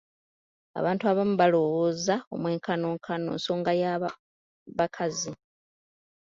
Abantu abamu balowooza omwenkanonkano nsonga ya bakazi.